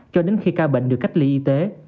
cho đến khi ca bệnh được cách ly y tế